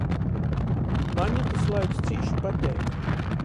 Maņ itys laiks cīši pateik.